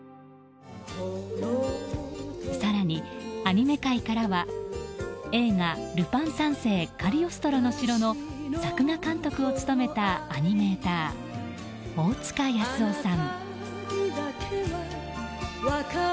更にアニメ界からは映画「ルパン三世カリオストロの城」の作画監督を務めたアニメーター大塚康生さん。